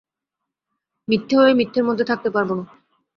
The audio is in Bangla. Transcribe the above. মিথ্যে হয়ে মিথ্যের মধ্যে থাকতে পারব না।